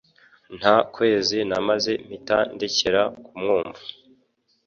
Nta kwezi namaze mpita ndekera kumwumva.